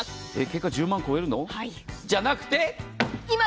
結果、１０万円超えるの？じゃなくて。